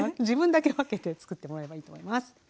自分だけ分けて作ってもらえばいいと思います。